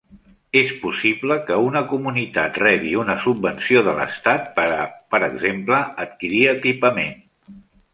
És possible que una comunitat rebi una subvenció de l'estat per a, per exemple, adquirir equipament.